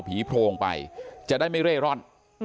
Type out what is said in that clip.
โพรงไปจะได้ไม่เร่ร่อน